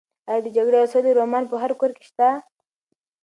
ایا د جګړې او سولې رومان په هر کور کې شته؟